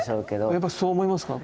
やっぱそう思いますか？